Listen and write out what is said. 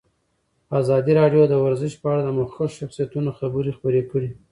ازادي راډیو د ورزش په اړه د مخکښو شخصیتونو خبرې خپرې کړي.